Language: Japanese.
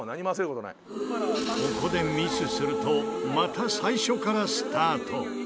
ここでミスするとまた最初からスタート。